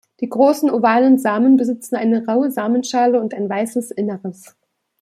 Die großen, ovalen Samen besitzen eine raue Samenschale und ein weißes Inneres.